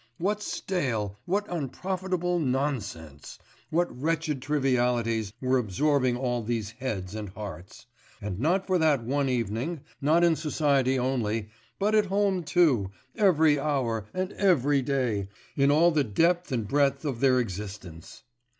What stale, what unprofitable nonsense, what wretched trivialities were absorbing all these heads and hearts, and not for that one evening, not in society only, but at home too, every hour and every day, in all the depth and breadth of their existence!